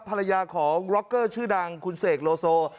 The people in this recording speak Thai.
ภรรยาของร็อกเกอร์ชื่อดังคุณเสกโลโซ